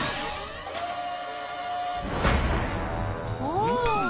お！